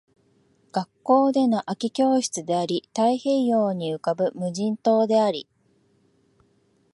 学校での空き教室であり、太平洋に浮ぶ無人島であり